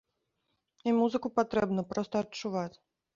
І музыку патрэбна проста адчуваць.